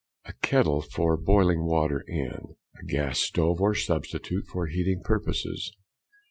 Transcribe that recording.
A kettle for boiling water in. A gas stove, or substitute, for heating purposes.